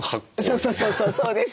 そうそうそうそうそうです。